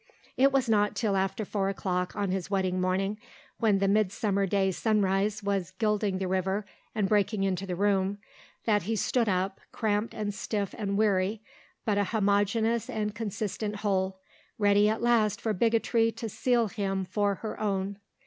It was not till after four o'clock on his wedding morning, when the midsummer day sunrise was gilding the river and breaking into the room, that he stood up, cramped and stiff and weary, but a homogeneous and consistent whole, ready at last for bigotry to seal him for her own.